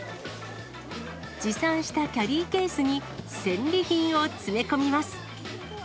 持参したキャリーケースに戦利品を詰め込みます。